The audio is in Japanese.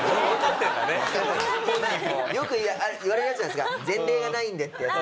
よく言われるやつじゃないですか前例がないんでってやつ。